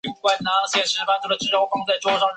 其所在地喇沙利道因喇沙书院而命名。